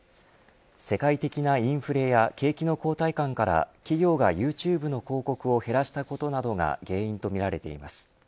世界的なインフレや景気の後退感から企業がユーチューブの広告を減らしたことなどが原因とみられています。